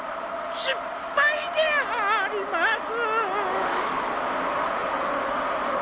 しっぱいであります。